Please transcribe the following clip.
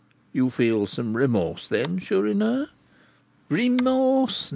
"You feel some remorse, then, Chourineur?" "Remorse?